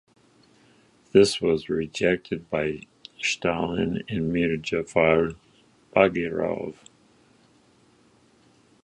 This was rejected by Stalin and Mir Jafar Bagirov.